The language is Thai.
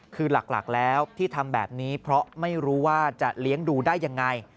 คือหลักแล้วที่ทำแบบนี้เพราะไม่รู้ว่าจะเลี้ยงดูได้ยังไง